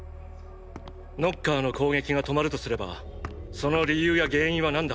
ノッカーの攻撃が止まるとすればその理由や原因は何だ？